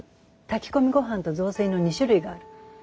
炊き込みごはんと雑炊の２種類がある。